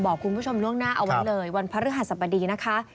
บอกคุณผู้ชมล่วงหน้าเอาไว้เลยวันพระฤหัสบดีนะคะ